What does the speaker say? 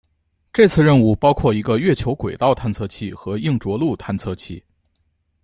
这次任务包括一个月球轨道探测器和硬着陆探测器。